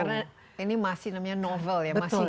karena ini masih namanya novel ya masih baru sesuatu